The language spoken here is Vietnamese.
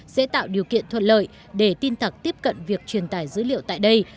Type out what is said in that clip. sẽ tạo điều kiện thuận lợi để tin tặc tiếp cận việc truyền tải dữ liệu tại đây